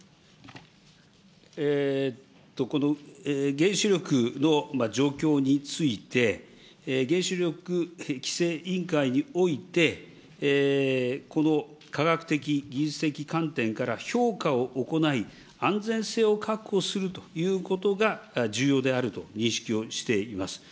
原子力の状況について、原子力規制委員会において、この科学的、技術的観点から評価を行い、安全性を確保するということが重要であると認識をしています。